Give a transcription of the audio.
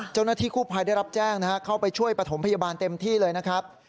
เจ้าหน้าที่กู้ภัยได้รับแจ้งนะฮะเข้าไปช่วยประถมพยาบาลเต็มที่เลยนะครับ